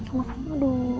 kamu apa aduh